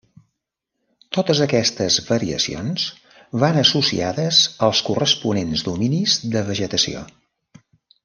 Totes aquestes variacions van associades als corresponents dominis de vegetació.